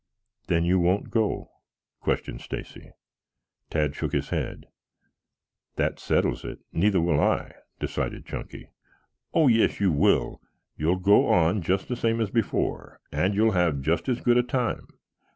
"Then you won't go?" questioned Stacy. Tad shook his head. "That settles it. Neither will I," decided Chunky. "Oh, yes you will. You will go on just the same as before, and you will have just as good a time.